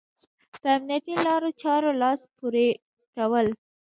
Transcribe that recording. په امنيتي لارو چارو لاس پورې کول.